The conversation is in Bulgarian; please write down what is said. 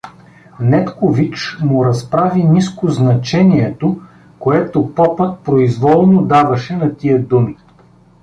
Недкович му разправи ниско значението, което попът произволно даваше на тия думи.